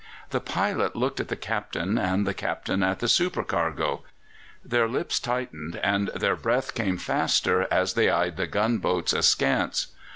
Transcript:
The pilot looked at the captain and the captain at the supercargo. Their lips tightened and their breath came faster as they eyed the gunboats askance.